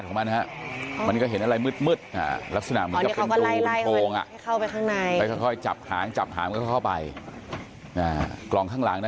ยังไงนี่อ่ะเดี๋ยวไปดูตอนเข้าลงกล่องหน่อย